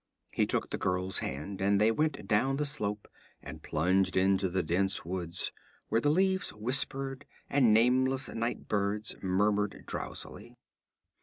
He took the girl's hand and they went down the slope and plunged into the dense woods, where the leaves whispered, and nameless night birds murmured drowsily.